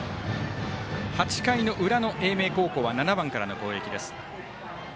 ８回の裏の英明高校は７番からの攻撃です。